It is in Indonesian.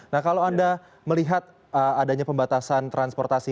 nah kalau anda melihat adanya pembatasan transportasi